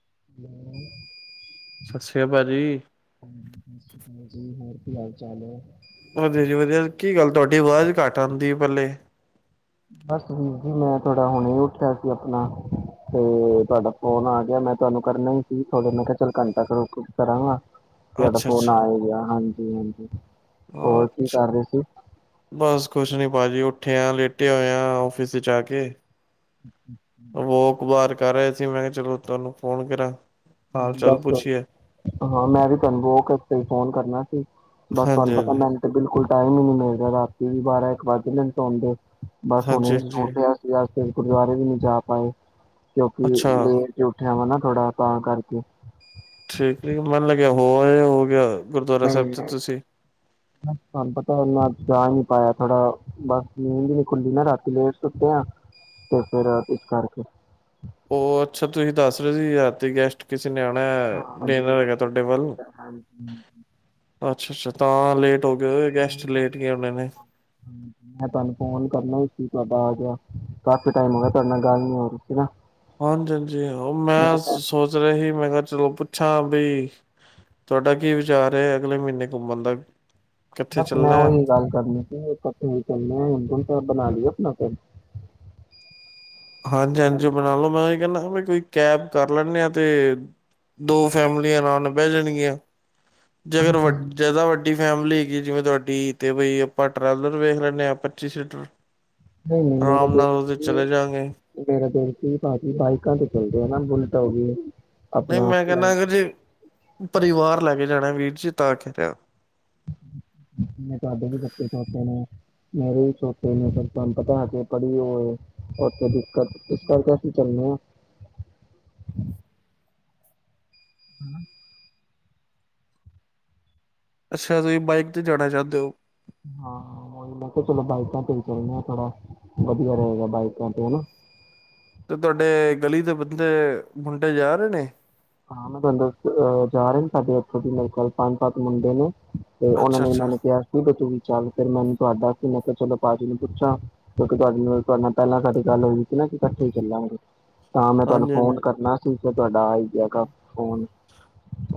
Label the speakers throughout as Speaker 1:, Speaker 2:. Speaker 1: [inaudible]
Speaker 2: ਸਤਿ ਸ੍ਰੀ ਅਕਾਲ ਭਾਜੀ।
Speaker 1: ਹਾਂਜੀ ਸਤਿ ਸ਼੍ਰੀ ਅਕਾਲ ਜੀ, ਹੋਰ ਕੀ ਹਾਲ ਚਾਲ ਹੈ।
Speaker 2: ਵਧੀਆ ਜੀ ਵਧੀਆ। ਕੀ ਗੱਲ ਤੁਹਾਡੀ ਆਵਾਜ਼ ਘੱਟ ਆਉਂਦੀ ਹੈ, ਪਹਿਲੇ-
Speaker 1: ਬਸ ਵੀਰ ਜੀ, ਮੈਂ ਥੋੜਾ ਹੁਣੇ ਹੀ ਉੱਠਿਆ ਸੀ। ਆਪਣਾ ਤੇ ਤੁਹਾਡਾ ਫੋਨ ਆ ਗਿਆ। ਮੈਂ ਤੁਹਾਨੂੰ ਕਰਨਾ ਹੀ ਸੀ ਥੋਡੇ, ਮੈਂ ਕਿਹਾ ਚੱਲ ਘੰਟਾ ਰੁਕ ਕੇ ਕਰਾਂਗਾ।
Speaker 2: ਅੱਛਾ
Speaker 1: ਹੈੱਡਫੋਨ
Speaker 2: ਅੱਛਾ।
Speaker 1: ਆ ਗਿਆ, ਹਾਂਜੀ। ਹਾਂਜੀ। ਹੋਰ ਕੀ
Speaker 2: ਅੱਛਾ,
Speaker 1: ਕਰ ਰਹੇ ਸੀ?
Speaker 2: ਬਸ ਕੁਛ ਨੀ ਭਾਜੀ ਉਹ- ਉੱਠਿਆ ਲੇਟਿਆ ਹੋਇਆ ਆਫਿਸ ਚ ਆ ਕੇ। ਵਾਕ ਵਾਰ ਕਰ ਰਹੇ ਸੀ ਮੈਂ ਕਿਹਾ ਚਲੋ ਤੁਹਾਨੂੰ ਫੋਨ ਕਰਾਂ। ਹਾਲ ਚਾਲ
Speaker 1: ਦਸ
Speaker 2: ਪੁੱਛੀਏ।
Speaker 1: ਹਾਂ ਮੈਂ ਵੀ ਤੁਹਾਨੂੰ ਬੋ ਕਰਤੇ ਫੋਨ ਕਰਨਾ ਸੀ। ਬਸ
Speaker 2: ਹਾਂਜੀ
Speaker 1: ਤੁਹਾਨੂੰ ਪਤਾ
Speaker 2: ਹਾਂਜੀ
Speaker 1: ਮੈਨੂੰ ਤਾਂ ਬਿਲਕੁਲ ਟਾਈਮ ਹੀ ਨੀ ਮਿਲਦਾ ਰਾਤੀ ਵੀ ਬਾਰਾਂ ਇੱਕ ਵੱਜ ਜੰਦੇ ਸੋਂਦੇ। ਬਸ ਹੁਣ
Speaker 2: ਹਾਂਜੀ
Speaker 1: [unintelligible] ਸੀਗਾ।
Speaker 2: ਹਾਂਜੀ
Speaker 1: ਫੇਰ ਗੁਰਦੁਆਰੇ ਵੀ ਨਹੀਂ ਜਾ ਪਾਏ। ਕਿਉਂਕਿ
Speaker 2: ਅੱਛਾ।
Speaker 1: ਲੇਟ ਜੋ ਉੱਠਿਆ ਵਾਨਾ। ਥੋੜਾ ਆਪ ਆ ਕਰਕੇ। [inaudible]
Speaker 2: ਠੀਕ -ਠੀਕ ਮੰਨ ਲੱਗਿਆ ਹੋ [unintelligible] ਹੋ ਗਿਆ ਗੁਰਦੁਆਰਾ ਸਾਹਿਬ ਤੇ
Speaker 1: ਨਹੀਂ-ਨਹੀਂ
Speaker 2: ਤੁਸੀਂ।
Speaker 1: ਤੁਹਾਨੂੰ ਪਤਾ ਨਾ। ਜਾ ਨੀ ਪਾਇਆ ਥੋੜ੍ਹਾ ਬਸ ਨੀਂਦ ਨੀ ਖੁੱਲੀ ਨਾ ਰਾਤੀ ਲੇਟ ਸੁੱਤੇ ਆ ਤੇ ਫੇਿਰ ਇਸ ਕਰਕੇ।
Speaker 2: ਉਹ ਅੱਛਾ ਤੁਸੀਂ ਦੱਸ ਰਹੇ ਸੀ ਯਾਰਤੀ ਗੈਸਟ ਕਿਸੇ ਨਿਆਣਾ ਦੇਣਾ ਹੈਗਾ ਤੁਹਾਡੇ ਵੱਲ ਅੱਛਾ-ਅੱਛਾ। ਤਾਂ ਲੇਟ ਹੋ ਗਏ
Speaker 1: ਮੈਂ
Speaker 2: ਗੈਸਟ
Speaker 1: ਤੁਹਾਨੂੰ
Speaker 2: ਲੇਟ ਗਏ ਹੋਣੇ ਨੇ।
Speaker 1: ਫ ਮੈਂ ਤੁਹਾਨੂੰ ਫੋਨ ਕਰਨਾ ਕੀ ਤੁਹਾਡਾ ਆ ਗਿਆ, ਕਾਫੀ ਟਾਈਮ ਹੋਇਆ ਤੁਹਾਡੇ ਨਾਲ ਗੱਲ ਨਹੀਂ ਹੋ ਰਹੀਸੀ ਨਾ।
Speaker 2: ਹਾਂਜੀ -ਹਾਂਜੀ ਮੈਂ ਸੋਚ ਰਿਹਾ ਸੀ ਮੈਂ ਕਿਹਾ ਚਲੋ ੱਛਾਂ ਬਈ ਤੁਹਾਡਾ ਕੀ ਵਿਚਾਰ ਹੈ ਅਗਲੇ ਮਹੀਨੇ ਘੁੰਮਣ ਦਾ। ਕਿੱਥੇ
Speaker 1: ਬਸ ਮੈਂ
Speaker 2: ਚੱਲਣਾ ਹੈ
Speaker 1: ਉਹੀ ਗੱਲ ਕਰਨੀ ਸੀ ਇਕੱਠੇ ਚਲਨਾ ਤੁਣੇ ਬਣਾ ਲਿਆ ਆਪਣਾ [unintelligible]
Speaker 2: ਹਾਂਜੀ ਹਾਂਜੀ ਉਹ ਬਣਾ ਲ ਲੋ ਮੈਂ ਕਹਿੰਦਾ ਕੋਈ ਕੈਬ ਕਰ ਲੈਣੇ ਆ ਤੇ ਦੋ ਫੈਮਲੀਆਂ ਅਰਾਮ ਨਾਲ ਬਹਿ ਜਾਣਗੀਆਂ। ਜੇ ਅਗਰ [unintelligible] ਜਿਆਦਾ ਵੱਡੀ ਫੈਮਿਲੀ ਹੈਗੀ ਜਿਵੇਂ ਤੁਹਾਡੀ ਤੇ ਬਈ ਆਪਾਂ ਟਰਾਲਰ ਵੇਖ ਲੈਂਦੇ ਹਾਂ ਪੱਚੀ ਸੀਟਰ।
Speaker 1: ਨਹੀਂ ਨਹੀਂ ਮੇਰਾ
Speaker 2: ਆਰਾਮ
Speaker 1: ਕੋਈ
Speaker 2: ਨਾਲ ਉਹਦੇ
Speaker 1: ਦਿੱਕਤ
Speaker 2: ਚਲੇ ਜਾਂਗੇ
Speaker 1: ਨਹੀਂ [unintelligible] ਕੀ ਭਾਜ਼ੀ ਬਣਾਈ [unintelligible]
Speaker 2: ਨਹੀਂ ਮੈਂ ਕਹਿੰਦਾ ਅਗਰ ਜੇ। ਪਰਿਵਾਰ ਲੈ ਕੇ ਜਾਣਾ ਵੀਰ ਜੀ [unintelligible] ਹੈ
Speaker 1: ਮੈਂ ਕਿਹਾ ਤੁਹਾਡੇ ਵੀ ਬੱਚੇ ਛੋਟੇੋ ਨੇ ਮੇਰੇ ਵੀ ਛੋਚੇ ਨੇ, ਫਿਰ ਤੁਹਾਨੂੰ ਪਤਾ ਹੈ ਕੇ ਕਦੀ ਓ ਇੱਥੇ ਦਿੱਕਤ ਇਸ ਕਰਕੇ ਅਸੀ ਚੱਲ ਨੇ ਆ। [inaudible]
Speaker 2: ਅੱਛਾ ਜੀ ਬਾਈਕ ਤੇ ਜਾਣਾ ਚਾਹੁੰਦੇ ਹੋ।
Speaker 1: ਹਾਂ, ਉਹੀ ਮੈਂ ਕਿਹਾ ਚਲੋ ਬਾਈਕਾਂ ਤੇ ਵੀ ਚੱਲਣੇ ਆ ਥੋੜਾ ਵਧੀਆ ਰਹੇਗਾ ਬਾਈਕਾਂ ਤੇ ਹਨਾ?
Speaker 2: ਤੇ ਤੁਹਾਡੇ ਗਲੀ ਦੇ ਬੰਦੇ ਮੁੰਡੇ ਜਾ ਰਹੇ ਨੇ
Speaker 1: ਹਾਂ ਮੈਂ ਤੁੰ ਦਤਹ ਜਾ ਰਹੇ ਨੇ ਸਾਡੇ ਉੱਥੋਂ ਦੀ ਮੇਰੇ ਖਲ ਪੰਜ ਪੰਜਤ ਮੁੰਡੇ ਨੇ ਤੇ ਉਹਨਾਂ ਨੇ
Speaker 2: ਅੱਛਾ-ਅੱਛਾ।
Speaker 1: ਮੈਨੂੰ ਕਿਹਾ ਕੀ ਬ ਤੂੰ ਵੀ ਚੱਲ ਫਿਰ ਮੈਨੂੰ ਤੁਹਾਡਾ ਸੀ ਮੈਂ ਚਲੋ ਪਟੀ ਨੂੰ ਪੁੱਛਾਂ ਕਿਉਂਕਿ ਤੁਹਾਡੇ ਨਾਲ ਪਹਿਲਾਂ ਸਾਡੀ ਗੱਲ ਹੋਈ ਸੀ ਨਾ ਕਿ ਇਕੱਠੇ ਹੀ ਚੱਲਾਂਗੇ ਤਾਂ ਮੈਂ ਤੁਹਾਨੂੰ
Speaker 2: ਹਾਂਜੀ,
Speaker 1: ਫੋਨ
Speaker 2: ਹਾਂਜੀ।
Speaker 1: ਕਰਨਾ ਸੀ ਤੁਹਾਡਾ ਗਿਆ ਗਾ ਫ਼ੋਨ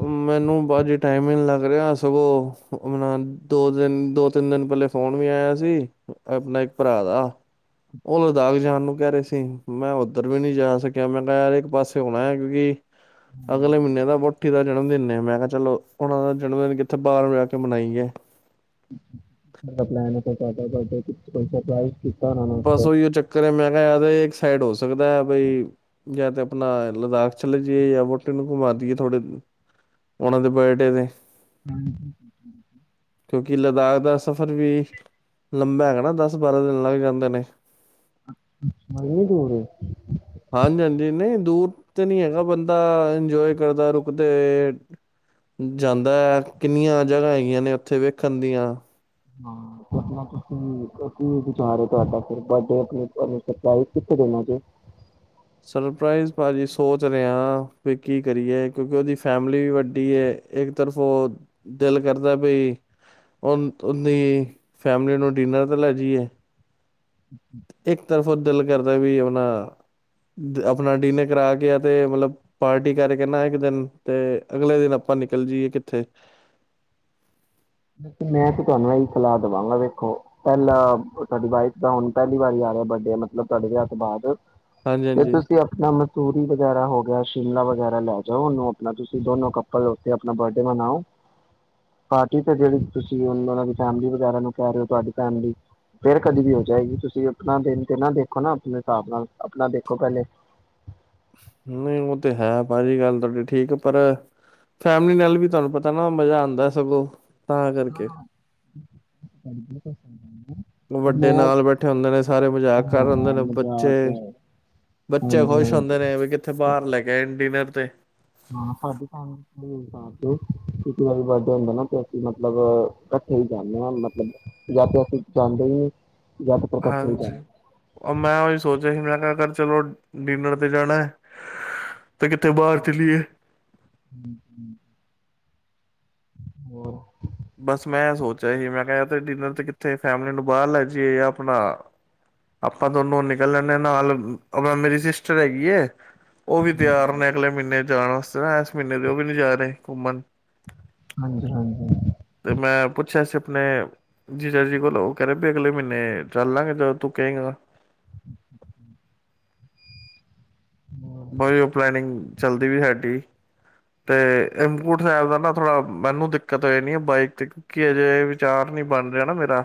Speaker 2: ਮੈਨੂੰ ਬਾਜ ਟਾਈਮਿੰ ਲੱਗ ਰਿਹਾ ਸਗੋਂ ਆਪਣਾ ਦੋ ਦਿਨ ਦੋ ਤਿੰਨ ਦਿਨ ਪਹਿਲੇ ਫੋਨ ਵੀ ਆਇਆ ਸੀ ਆਪਣਾ ਇੱਕ ਭਰਾ ਦਾ ਉਹ ਲਦਾਖ ਜਾਣ ਨੂੰ ਕਹਿ ਰਹੇ ਸੀ ਮੈਂ ਉੱਧਰ ਵੀ ਨਹੀਂ ਜਾ ਸਕਿਆ ਮੈਂ ਕਿਹਾ ਯਾਰ ਇੱਕ ਪਾਸੇ ਹੋਣਾ ਹੈ ਕਿਉਂਕਿ ਅਗਲੇ ਮਹੀਨੇ ਦਾ ਵਹੁਠੀ ਦਾ ਜਨਮ ਦਿਨ ਨੇ ਮੈਂ ਕਿਹਾ ਚਲੋ ਉਹਨਾਂ ਦਾ ਜਨਮ ਦਿਨ ਕਿੱਥੇ ਬਾਹਰ ਜਾ ਕੇ ਮਨਾਈ ਹੈ
Speaker 1: ਪ ਪਸਾ ਪਲਾਈ
Speaker 2: ਬਸ ਉਹੀਓ ਚੱਕਰ ਹੈ ਮੈਂ ਇੱਕ ਸਾਈਡ ਹੋ ਸਕਦਾ ਹੈ ਬਈ ਜਾਂ ਤੇ ਆਪਣਾ ਲਦਾਖ ਚਲੇ ਜਾਈਏ ਜਾਂ ਵਹੁਟੇ ਨੂੰ ਘੁਮਾ ਦੀਈਏ ਥੋੜੇ ਉਹਨਾਂ ਦੇ ਬੇਟੇ ਤੇ
Speaker 1: ਹਮ
Speaker 2: ਕਿਉਂਕਿ ਲਦਾਖ ਦਾ ਸਫ਼ਰ ਵੀ ਲੰਬਾ ਹੈਗਾ ਨਾ ਦਸ ਬਾਰਾਂ ਦਿਨ ਲੱਗ ਜਾਂਦਾ ਹਦ ਨੇੇ
Speaker 1: ਬੜਨੀ ਦੂਰ
Speaker 2: ਹਾਂਜੀ ਹਾਂਜੀ ਨਹੀਂ ਦੂਰ ਤੇ ਨਹੀਂੀ ਹੈਗਾ ਬੰਦਾ ਇੰਜੋਏ ਕਰਦਾ ਰੁਕਦੇ ਜਾਂਦਾ ਹੈ ਕਿੰਨੀਆਂ ਜਗ੍ਹਾ ਹੈਗੀਆਂ ਨੇ ਉੱਥੇ ਵੇਖਣ ਦੀਆਂ
Speaker 1: ਹਾਂ ਤੁਸੀ ਤੁ ਕੀ ਵਿਚਾਰ ਹੋ ਤੁਹਾਡਾ ਫਡ ਕਿੱਥੇ ਦੇਣਾ ਜੇ
Speaker 2: ਸਰਪ੍ਰਜ਼ ਭਾਜੀੀ ਸੋਚ ਰਿਹਾ ਵੀ ਕੀ ਕਰੀਏ ਕਿਉਂਕਿ ਉਹਦੀ ਫੈਮਿਲੀ ਵੀ ਵੱਡੀ ਹੈ ਇੱਕ ਤਰਫ ਉਹ ਦਿਲ ਕਰਦਾ ਬਈ ਦੀ ਫੈਮਿਲੀ ਨੂੰ ਡਿਨਰ ਤਾਂ ਲੈ ਜਾਈਏ
Speaker 1: ਅੱਛਾ
Speaker 2: ਤਰਫੋਂ ਦਿਲ ਕਰਦਾ ਵੀ ਆਪਣਾ ਆਪਣਾ ਡਿਨਰ ਕਰਾ ਕੇ ਆ ਤੇ ਮਤਲਬ ਪਾਰਟੀ ਕਰਕੇ ਨਾ ਇੱਕ ਦਿਨ ਤੇ ਅਗਲੇ ਦਿਨ ਆਪਾਂ ਨਿਕਲ ਜਾਈਏ ਕਿੱਥੇ
Speaker 1: ਮੈਂ ਤੇ ਤੁਹਾਨੂੰ ਇਹੀ ਸਲਾਹ ਦੇਵਾਂਗਾ ਵੇਖੋ ਪਹਿਲਾਂ ਤੁਹਾਡੀ ਵਾਈਫ ਦਾ ਹੁਣ ਪਹਿਲੀ ਵਾਰੀ ਆ ਰਿਹਾ ਵੱਡੇ ਮਤਲਬ ਤੁਹਾਡੇ ਹ ਤੋਂ ਬਾਅਦ
Speaker 2: ਹਾਂਜੀ
Speaker 1: ਤੇ
Speaker 2: ਹਾਂਜੀ
Speaker 1: ਤੁਸੀਂ ਆਪਣਾ ਮਸੂਰੀ ਵਗੈਰਾ ਹੋ ਗਿਆ ਸ਼ਿਮਲਾ ਵਗ ਵਗੈਰਾ ਲੈ ਜਾਓ ਉਹਨੂੰ ਆਪਣਾ ਤੁਸੀਂ ਦੋਨੋ ਕੱਪਲ ਉੱਥੇ ਆਪਣਾ ਬਰਡੇ ਮਨਾਓ ਪਾਰਟੀ ਜਿਹੜੀ ਤੁਸੀਂ ਉਹ ਦੀ ਫੈਮਿਲੀ ਵਗੈਰਾ ਨੂੰ ਕਹਿ ਰਹੇ ਹੋ ਤੁਹਾਡੀ ਫੈਮਿਲੀ ਫੇਰ ਕਦੇ ਵੀ ਹੋ ਜਾਏਗੀ ਤੁਸੀਂ ਆਪਣਾ ਦਿਨ ਤੇ ਨਾ ਦੇਖੋ ਨਾ ਆਪਣੇ ਹਿਸਾਬ ਨਾਲ ਆਪਣਾ ਦੇਖੋ ਪਹਿਲੇ
Speaker 2: ਨਹੀਂ ਉਹ ਤੇ ਹੈ ਭਾਜੀ ਗੱਲ ਤੁਹਾਡੀ ਠੀਕ ਪਰ ਫੈਮਲੀ ਨਾਲ ਵੀ ਤੁਹਾਨੂੰ ਪਤਾ ਨਾ ਮਜ਼ਾ ਆਉਂਦਾ ਸਗੋਂ ਤਾਂ ਕਰਕੇ
Speaker 1: ਪੜਲੇ ਕਛਾ
Speaker 2: ਵੱਡੇ ਨਾਲ ਬੈਠੇ ਹੁੰਦੇ ਨੇ ਸਾਰੇ ਮਜ਼ਾਕ ਕਰ
Speaker 1: ਹਾਂ
Speaker 2: ਹਦੇ ਨੇ ਬੱਚੇ
Speaker 1: ਮਜ਼ਾਕ
Speaker 2: ਬੱਚੇ
Speaker 1: ਹਾਂਜੀ
Speaker 2: ਖੁਸ਼
Speaker 1: ਹਾਂਜੀ
Speaker 2: ਹੁੰਦੇ ਨੇ ਵੀ ਕਿੱਥੇ ਬਾਹਰ ਲੈ ਕੇ ਡਿਨਰ ਅਤੇ
Speaker 1: ਹਾਂ ਸਾਡਉਂਕਿ ਵਾਰੀ ਵਰਡ ਹੁੰਦਾ ਨਾ ਤੇ ਅਸੀਂ ਮਤਲਬ ਇਕੱਠੇ ਹੀ ਜਾਂਦੇ ਹਾਂ ਮਤਲਬ ਜ ਅਸੀਂ ਜਾਂਦੇ ਹੀ ਜਾਂ ਤੇ ਫਿਰ ਇਕੱਠੇ ਹੀ
Speaker 2: ਹਾਂਜੀ
Speaker 1: ਜਾਂਦੇ
Speaker 2: ਉਹ ਮੈਂ ਉਹੀ ਸੋਚਿਆ ਸੀ ਮੈਂ ਕਿਹਾ ਕਰ ਚਲੋ ਡਿਨਰ 'ਤੇ ਜਾਣਾ ਹੈ ਤੇ ਕਿੱਥੇ ਬਾਹਰ ਚਲੀਏ
Speaker 1: ਹੋ
Speaker 2: ਬਸ ਮੈਂ ਸੋਚਿਆ ਸੀ ਮੈਂ ਕਿਹਾ ਤੇ ਡਿਨਰ ਤੇ ਕਿੱਥੇ ਫੈਮਿਲੀ ਨੂੰ ਬਾਹਰ ਲੈ ਜਾਈਏ ਜਾਂ ਆਪਣਾ ਆਪਾਂ ਦੋਨੋਂ ਨਿਕਲ ਲਦੇ ਨਾਲ ਮੇਰੀ ਸਿਸਟਰ ਹੈਗੀ ਹੈ ਉਹ ਵੀ ਤਿਆਰ ਨੇ ਅਗਲੇ ਮਹੀਨੇ ਜਾਣ ਇਸ ਮਹੀਨੇ ਦੇ ਉਹ ਵੀ ਨ ਜਾ ਰਹੇ ਘੁੰਮਣ
Speaker 1: ਹਾਂਜੀ ਹਾਂਜੀ
Speaker 2: ਤੇ ਮੈਂ ਪੁੱਛਿਆ ਸੀ ਆਪਣੇ ਜੀਜਾ ਜੀ ਕੋਲ ਉਹ ਕਹਿ ਰਹੇ ਵੀ ਅਗਲੇ ਮਹੀਨੇ ਚੱਲ ਲਾਂਗੇ ਜਦੋਂ ਤੂੰ ਕਹੇਗਾ ਬ ਉਹ ਪਲਨਿੰਗ ਚੱਲਦੀ ਵੀ ਸਾਡੀ ਤੇ ਇਮਕੂਟ ਸਾਹਿਬ ਦਾ ਨਾ ਥੋੜਾ ਮੈਨੂੰ ਦਿੱਕਤ ਹੋਈ ਨੀ ਬਾਈਕ ਤੇ ਕਿਉਕਿ ਅਜੇ ਵਿਚਾਰ ਨੀ ਬਣ ਰਿਹਾ ਨਾ ਮੇਰਾ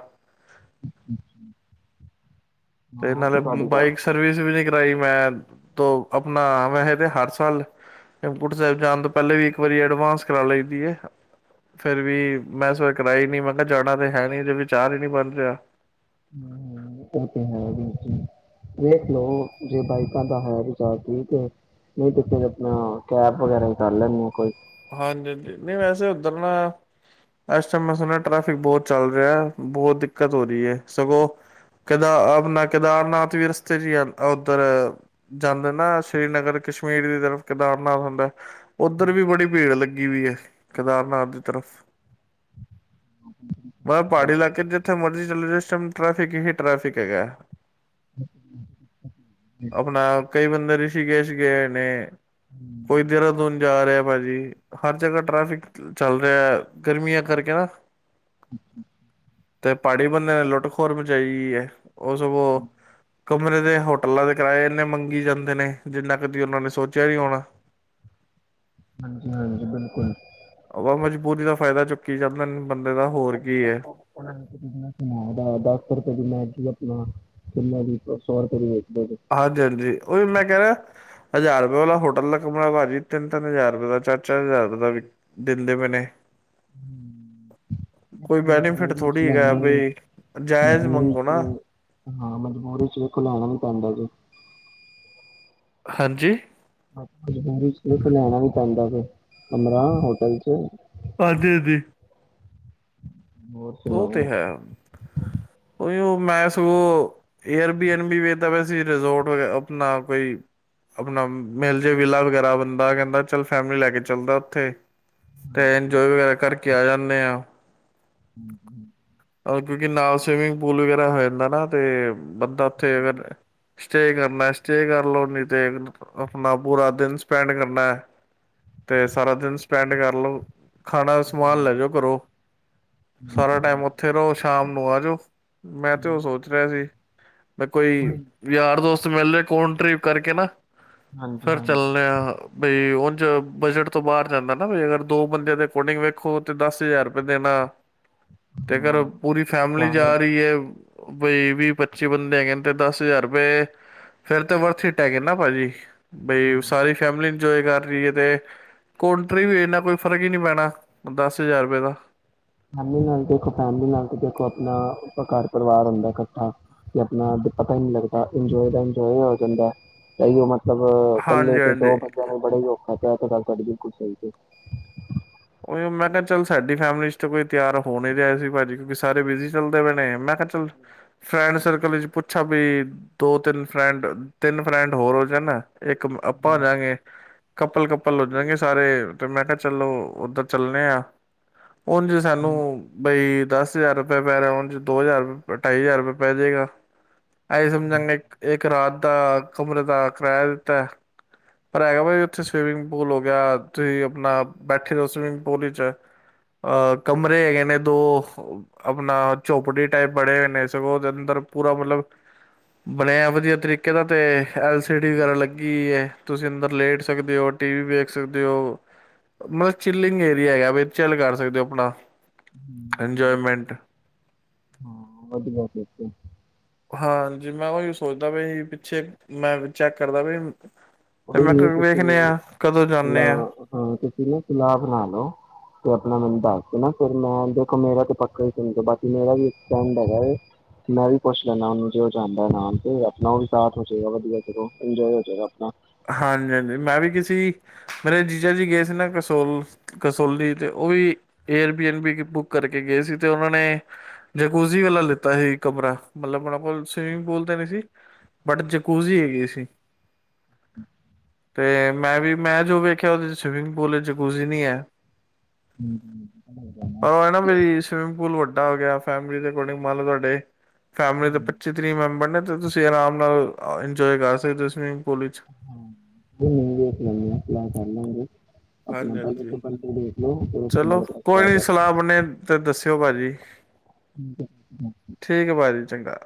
Speaker 2: ਤੇ
Speaker 1: ਉਹ
Speaker 2: ਨਾਲੇ
Speaker 1: ਤਾਂ ਤੁਹਾਡੀ ਗੱਲ
Speaker 2: ਬਾਈਕ ਸਰਵਿਸ ਵੀ ਨ ਮੈਂ ਦੋ ਆਪਣਾ ਵੈਸੇ ਤੇ ਹਰ ਸਾਲਮਕਟ ਸਾਹਿਬ ਜਾਣ ਤੋਂ ਪਹਿਲੇ ਵੀ ਇੱਕ ਵਾਰੀ ਐਡਵਾਂਸ ਕਰਾ ਲਈਦੀ ਫੇਿਰ ਵੀ ਮੈਂ ਇਸ ਵਾਰ ਕਰਾਈ ਨੀ ਮੈਂ ਕਿਹਾ ਜਾਣਾ ਤੇ ਹੈ ਨੀ ਜ ਵਿਚਾਰ ਹੀ ਨੀ ਬਣ ਰਿਹਾ
Speaker 1: ਹ ਉਹ ਤੇ ਹੈ ਵੀ ਵੇਖ ਲੋ ਜੇ ਬਾਈਕਾਂ ਦਾ ਹੈ ਚਾਰ ਤੇ ਨਹੀਂ ਤੇ ਫੇ ਆਪਣਾ ਕੈਬ ਵਗੈਰਾ ਹੀ ਕਰ ਲੈਦੇ ਆ ਕੋਈ
Speaker 2: ਹਾਂਜੀ ਹਾਂਜੀ ਨਹੀਂ ਵੈਸੇ ਉੱਧਰ ਨਾ ਇਸ ਟਾਈਮ ਮੈਂ ਸੁਣਿਆ ਟ੍ਰੈਫਿਕ ਬਹੁਤ ਚੱਲ ਰਿਹਾ ਬਹੁਤ ਦਿੱਕਤ ਹੋ ਰਹੀ ਹੈ ਸਗੋਂਦ ਆਪਣਾ ਕੇਦਾਰਨਾਥ ਵੀ ਰਸਤੇ ਚ ਉੱਧਰ ਜਾਂਦੇ ਨਾ ਸ਼੍ਰੀਨਗਰ ਕਸ਼ਮੀਰ ਦੀ ਤਰਫ ਕੇਦਾਰਨਾਥ ਹੁੰਦਾ ਉੱਧਰ ਵੀ ਬੜੀ ਭੀੜ ਲੱਗੀ ਹੋਈ ਹੈ ਕੇਦਾਰਨਾਥ ਦੀ ਤਰਫ਼ ਮਤਲ ਪਹਾੜੀ ਇਲਾਕੇ ਚ ਜਿੱਥੇ ਮਰਜੀ ਚੱਲ ਜਾ ਇਸ ਟਾਈਮ ਟ੍ਰੈਫਿਕ ਹੀ ਟ੍ਰੈਫਿਕ ਹੈਗਾ ਆਪਣਾ ਕਈ ਬੰਦੇ ਰਿਸ਼ੀਕੇਸ਼ ਗਏ ਨੇ ਕੋਈ ਦੇਹਰਾਦੂਨ ਜਾ ਰਿਹਾ ਭਾਜੀ ਹਰ ਜਗ੍ਹਾ ਟ੍ਰੈਫਿਕ ਚੱਲ ਰਿਹਾ ਗਰਮੀਆਂ ਕਰਕੇ ਨਾ ਤੇ ਪਹਾੜੀ ਬੰਦਿਆਂ ਨੇ ਲੁੱਟ ਖੋਰ ਮਚਾਈ ਹੈ ਉਹ ਸਗੋਂ ਕਮਰੇ ਦੇ ਹੋਟਲਾਂ ਦੇ ਕਿਰਾਏ ਇਨੇ ਮੰਗੀ ਜਾਂਦੇ ਨੇ ਜਿੰਨਾ ਕਦੀ ਉਹਨਾਂ ਨੇ ਸੋਚਿਆ ਨ ਹੋਣਾ
Speaker 1: ਹਾਂਜੀ ਹਾਂਜੀ ਬਿਲਕੁਲ
Speaker 2: ਆਾ ਮਜਬੂਰੀ ਦਾ ਫਾਇਦਾ ਚੁੱਕੀ ਜਾਂਦਾ ਬੰਦੇ ਦਾ ਹੋਰ ਕੀ ਹੈ
Speaker 1: ਡਾਕਟਰਰ ਤਗਨ ਜੀਪ ਚ ਸੋਰ ਤਰੀ
Speaker 2: ਹਾਂਜੀ ਹਾਂਜੀ ਉਹ ਵੀ ਮੈਂ ਕਹਿ ਰਿਹਾ ਹਜ਼ਾਰ ਰੁਪਏ ਵਾਲਾ ਹੋਟਲ ਦਾ ਕਮਰਾ ਭਾਜੀ ਤਿੰਨ ਤਿੰਨ ਹਜ਼ਾਰ ਰੁਪਏ ਦਾ ਚਾਰ ਚਾਰ ਹਜ਼ਾਰ ਰ ਦਾ ਦਿੰਦੇ ਮੈਨੇ ਕੋਈ ਬੈਂ ਨੀ
Speaker 1: ਚ ਲੈਣਾ ਵੀ ਮਜਬੂਰੀ
Speaker 2: ਮੰਗੋ ਨਾ
Speaker 1: ਚ ਹਾਂ ਮਜਬੂਰੀ ਚ ਵਖੋ ਲੈਣਾ ਵੀ ਪੈਂਦਾ ਜੀ
Speaker 2: ਹਾਂਜੀ
Speaker 1: ਸਿਰਫ਼ ਲੈਣਾ ਵੀ ਪੈਂਦਾ ਫ ਕਮਰਾ ਹੋਟਲ ਚ
Speaker 2: ਹਾਂਜੀ ਹਾਂਜੀ
Speaker 1: ਹੋਰ
Speaker 2: ਉਹ ਤੇ
Speaker 1: ਸੁਣਾਓ?
Speaker 2: ਹੈ ਉਹੀ ਉਹ ਮੈਂ ਸਗੋਂ ਏਅਰ ਬੀ ਵੀ ਵੇਖਦਾ ਵ ਸੀ ਰਿਜੋਰਟ ਆਪਣਾ ਕੋਈ ਆਪਣਾ ਮੇਿਲ ਜੇ ਵਿੇਲਾ ਵਗੈਰਾ ਬੰਦਾ ਕਹਿੰਦਾ ਚੱਲ ਫੈਮਲੀ ਲੈ ਕੇ ਚਲਦਾ ਉੱਥੇ ਤੇ
Speaker 1: ਹਾਂਜੀ
Speaker 2: ਇੰਜੋਏ ਵਗੈਰਾ ਕਰਕੇ ਕੇ ਜਾਂਦੇ ਹਾਂ
Speaker 1: ਹਮ ਹਮ
Speaker 2: ਕਿਉਂਕਿ ਨਾਲ ਸਵੀਮਿੰਗ ਪੂਲ ਵਗੈਰਾ ਹੋ ਜਾਂਦਾ ਨਾ ਤੇ ਬੰਦਾ ਉੱਥੇ ਅਗਰ
Speaker 1: ਹੋਰ,
Speaker 2: ਸਟੇਅ ਕਰਨਾ ਸਟੇ ਕਰ ਲੋ ਨੀ ਤੇ ਆਪਣਾ ਪੂਰਾ ਦਿਨ ਸਪੈਂਡ ਕਰਨਾ ਤੇ ਸਾਰਾ ਦਿਨ ਸਪੈਂਡ ਕਰ ਲ ਖਾਣਾ ਦਾ ਸਮਾਨ
Speaker 1: ਹਾਂ।
Speaker 2: ਲੈ ਜਾਓ ਘੋ ਸਾਰਾ ਟਾਈਮ ਉੱਥ ਸ਼ਾਮ ਨੂੰ ਆਜਓ ਮੈਂ ਤੇ ਉਹ ਸੋਚ ਰਿਹਾ
Speaker 1: ਹਾਂਜੀ
Speaker 2: ਸੀ ਮੈਂ ਕੋਈ
Speaker 1: ਹਾਂਜੀ
Speaker 2: ਯਾਰ ਦੋਸਤ ਮੇਲੇ ਕੌਣ ਟ੍ਰਿਪ ਕਰਕੇ ਨਾ ਫੇਰ
Speaker 1: ਹਾਂ
Speaker 2: ਚੱਲਣੇ ਆ ਬਈ ਉਹ ਚ ਬਜਟ ਤੋਂ ਬਾਹਰ ਜਾਂਦਾ ਨਾ ਅਗਰ ਦੋ ਬੰਦਿਆਂ ਦੇ ਅਕੋਡਿੰਗ ਵੇਖੋ ਤੇ ਦਸ ਹਜ਼ਾਰ ਰੁਪਏ ਦੇਣਾ ਤੇਗਰ ਪੂਰੀ ਫੈਮਲੀ
Speaker 1: ਚਾਰ
Speaker 2: ਜਾ
Speaker 1: ਬੰ-
Speaker 2: ਰਹੀ ਹੈ ਬਈ ਵੀਹ ਪੱਚੀ ਬੰਦੇ ਹੈਗੇ ਤੇ ਦਸ ਹਜ਼ਾਰ ਰੁਪਏ ਫੇਿਰ ਤੇ ਵਰਥਟ ਹੈਗੇ ਨਾ ਭਾਜੀ ਬਈ
Speaker 1: ਹਾਂ
Speaker 2: ਸਾਰੀ ਫੈਮਲੀ ਇੰਜਏ ਕਰ ਰਏ ਤੇ ਕੋਟਰੀ ਵੀ ਇਨਾ ਕੋਈ ਫ਼ਰਕ ਹੀ ਨਹੀਂੀ ਪੈਣਾ ਦਸ ਹਜ਼ਾਰ ਰੁਪਏ ਦਾ
Speaker 1: ਫੈਮ ਨਾਲ ਦੇਖੋ ਫੈਮਲੀ ਨਾਲ ਦੇਖੋ ਆਪਣਾ ਘਰ ਪਰਿਵਾਰ ਹੁੰਦਾ ਇਕੱਠਾ ਤੇ ਆਪਣਾ ਪਤਾ ਹੀ ਨ ਲੱਗਦਾ ਇੰਜੋਏ ਦਾ ਇੰਜੋਏ ਹੋ ਜਾਂਦਾ ਉਹ ਮ ਮਤਲਬ
Speaker 2: ਹਾਂਜੀ
Speaker 1: ਇਕੱਲੇ ਤੇ
Speaker 2: ਹਾਂਜੀ
Speaker 1: ਦੋ ਬੰੱਚਿਆਂ ਨੇ ਬੜੇ ਹੀ ਖਾ ਪ ਪੜ ਕੁਹੀ ਤੇ
Speaker 2: ਉ ਮੈਂ ਕਿਹਾ ਚੱਲ ਸਾਡੀ ਫੈਮਲੀ ਚ ਕੋਈ ਤਿਆਰ ਹੋ ਨ ਰਿਹਾ ਸੀ ਭਾਜੀ ਕਿਉਕਿ ਸਾਰੇ ਬਿਜੀੀ ਚੱਲਦੇ ਪਏਣੇ ਮੈਂ ਕਿਹਾ ਚੱਲ ਫਰੈਂਡ ਸਰਕਲ ਵਿਚ ਪੁੱਛਾ ਵੀ ਦੋ ਤਿੰਨ ਫਰੈਂਡ ਤਿੰਨ ਫਰੈਂਡ ਹੋਰ ਹੋ ਜਾ ਇੱਕ ਆਪਾਂ ਦਗੇ ਕੱਪਲ ਕ ਭਾਂ ਲੁਜਗੇ ਸਾਰੇ ਤੇ ਮੈਂ ਕਿਹਾ ਚਲੋ ਉੱਧਰ ਚੱਲਣੇ ਆਾਂ ਹਣ ਜੇ ਸਾਨੂੰ ਬਈ ਦਸ ਹਜ਼ਾਰ ਰੁਪਏ ਪੈ ਰਿਹਾ ਹੁਣ ਜ ਦੋ ਹਜ਼ਾਰ ਅਢਾਈ ਹਜ਼ਾਰ ਰੁਪਏ ਪੈ ਜਾਵੇਗਾ ਆਏ ਸਮਝਗੇ ਇੱਕ ਰਾਤ ਦਾ ਕਮਰੇ ਦਾ ਕਿਰਾਇਆ ਦਿੱਤਾ ਪਰ ਹੈਗਾ ਭਾ ਉੱਥੇ ਸਵੀਮਿੰਗ ਪੂਲ ਹੋ ਗਿਆ ਤੁਸੀਂ ਆਪਣਾ ਬੈਠੇ ਰਹੋ ਸਵੀਮਿੰਗ ਪੂਲ ਵਿੱਚ ਅਹ ਕਮਰੇ ਹੈਗੇ ਨੇ ਦੋ ਆਪਣਾ ਝੋਪੜੀ ਟਾਈਪ ਬਣੇ ਹੋਏ ਨੇ ਸਗੋਂ ਦੇ ਅੰਦਰ ਪੂਰਾ ਮਤਲਬ ਬਣਿਆ ਵਧੀਆ ਤਰੀਕੇ ਦਾ ਤੇ ਐਲ ਸੀ ਡੀ ਵਗੈਰਾ ਲੱਗੀ ਹੈ ਤੁਸੀਂ ਅੰਦਰ ਲੇਟ ਸਕਦੇ ਹੋ ਟੀ ਵੀ ਵੇਖ ਸਕਦੇ ਹੋ ਮਤਲਬ ਥਿਲਿੰਗ ਏਰੀਆ ਹੈਗਾ ਚੱਲ ਕਰ ਸਕਦੇ ਹੋ ਆਪਣਾ ਇੰਜਏਮੈਂਟ
Speaker 1: ਹਾਂ ਵਧੀਆ ਫ
Speaker 2: ਹਾਂਜੀ ਮੈਂ ਉਹੀ ਸੋਚਦਾ ਵੀ ਪਿੱਛੇ ਮੈਂ ਚੈੱਕ ਕਰਦਾ ਵੀ ਤੇ
Speaker 1: ਉਹੀ
Speaker 2: ਮੈਂ
Speaker 1: ਨੀ
Speaker 2: ਕਿਹਾ ਵੇਖਦੇ ਆ ਕਦੋਂ
Speaker 1: ਤੁਸੀਂ
Speaker 2: ਜਾਂਦੇ ਆ
Speaker 1: ਹਾਂ ਤੁਸੀਂ ਨਾ ਫਲਾ ਬਣਾ ਲਓ ਤੇ ਆਪਣਾ ਮੈਨੂੰ ਦੱਸ ਕੇ ਨਾ ਫਿਰ ਮੈਂ ਦੇਖੋ ਮੇਰਾ ਤੇ ਪੱਕਾ ਹੀਣ ਬਾਕੀ ਮੇਰਾ ਵੀ ਇੱਕ ਫੈਂਡ ਹੈਗਾ ਮੈਂ ਵੀ ਪੁੱਛ ਲੈਂਦਾ ਉਹਨੂੰ ਜੇ ਉਹ ਜਾਂਦਾ ਨਾਮ ਤੇ ਆਪਣਾ ਉਹ ਵੀ ਸਾਥ ਹੋ ਜਾਏਗਾ ਵਧੀਆ ਚੋ ਇੰਜੋਏ ਹੋ ਜਾਗਾਣਾ
Speaker 2: ਹਾਂਜੀ ਹਾਂਜੀ ਮੈਂ ਵੀ ਕਿਸੇ ਮੇਰੇ ਜੀਜਾ ਜੀ ਗਏ ਸੀ ਨਾ ਕਸੋਲ ਕਸੋਲੀ ਤੇ ਉਹ ਵੀ ਏਅਰਪੀਨ ਵੀ ਬੁੱਕ ਕਰਕੇ ਗਏ ਸੀ ਤੇ ਉਹਨਾਂ ਨੇ ਜਕੂਜ਼ੀ ਵਾਲਾ ਲਿੱਤਾ ਸੀ ਕਮਰਾ ਮਤਲਬ ਉਹਨਾਂ ਕੋਲ ਸਵੀਮਿੰਗ ਪੂਲ ਤੇ ਨਹੀਂ ਸੀ ਬਟ ਜਕੂਜ਼ੀ ਹੈਗੀਈ ਸੀ ਤੇ ਮੈਂ ਵੀ ਮੈਂ ਜੋ ਵੇਖਿਆ ਉਹਦੇ ਸਵੀਮਿੰਗ ਪੂਲ ਵਿੱਚ ਕੁੂਜ਼ੀ ਨਹੀਂ ਹੈ
Speaker 1: ਹਮ
Speaker 2: ਪਰ ਉਹ ਨਾ ਮੇਰੀ ਸਵਿਮਿੰਗ ਪੂਲ ਵੱਡਾ ਹੋ ਗਿਆ ਫੈਮ ਅਕੋਰਡਿੰਗ ਮੰਨ ਲਓ ਤੁਹਾਡੇ ਫੈਮਿਲੀ ਦੇ ਪੱਚੀ ਤੀਹ ਮੈਂਬਰ ਨੇ ਤੇ ਤੁਸੀਂ ਆਰਾਮ ਨਾਲ ਇੰਜੋਏ ਕਰ ਸਕਦੇ ਹੋ ਸਵਿਮਿੰਗ ਪੂਲ ਵਿੱਚ
Speaker 1: ਲਾ ਕਰ ਲਾਂਗੇ ਆਪਣਾ
Speaker 2: ਹਾਂਜੀ
Speaker 1: ਪਹਿਲੇ
Speaker 2: ਹਾਂਜੀ
Speaker 1: ਤਾਂ ਬੰਦੇ ਦੇਖ ਲਓ ਫਿਰ ਉਸ ਤੋਂ
Speaker 2: ਚਲੋ
Speaker 1: ਬਾਅਦ ਆਪਾਂ
Speaker 2: ਕੋਈ ਨੀ
Speaker 1: ਕਰ
Speaker 2: ਸਲਾਹ ਬੰਣੇੇ ਤੇ ਦੱਸਿਓ ਭਾਜੀ ਠੀਕ ਭਾਜੀੀ ਚੰਗਾ